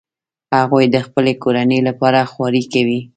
هغوی د خپلې کورنۍ لپاره خواري کوي